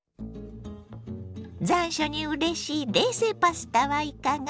残暑にうれしい冷製パスタはいかが？